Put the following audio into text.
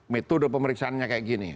metode pemeriksaannya kayak gini